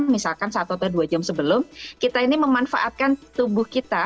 misalkan satu atau dua jam sebelum kita ini memanfaatkan tubuh kita